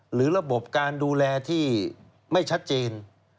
หรือระบบการดูแลที่ไม่ชัดเจน